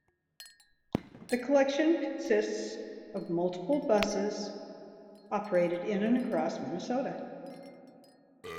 The collection consists of multiple buses operated in and across Minnesota.